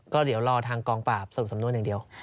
ก็เดี๋ยวรอทางกองปราบสรุปสำนวนอย่างเดียว